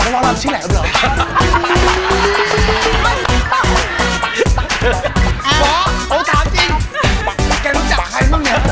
โปรดติดตามตอนต่อไป